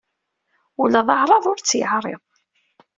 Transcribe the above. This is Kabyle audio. Ula d aɛraḍ ur t-yeɛriḍ.